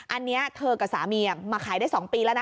อันนี้เธอกับสามีมาขายได้๒ปีแล้วนะ